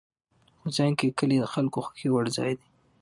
افغانستان کې کلي د خلکو خوښې وړ ځای دی.